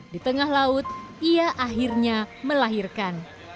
di tengah laut ia akhirnya melahirkan